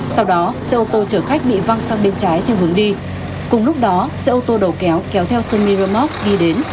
sau đó xe ô tô chở khách bị văng sang bên trái theo hướng đi cùng lúc đó xe ô tô đầu kéo kéo theo sân miramoc đi đến